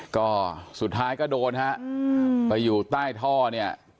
ก็สุดท้ายก็โดนฮะไปอยู่ใต้ท่อเนี่ย